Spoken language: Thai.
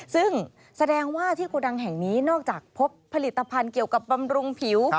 ซึ่งแสดงว่าที่โกดังแห่งนี้นอกจากพบผลิตภัณฑ์เกี่ยวกับบำรุงผิว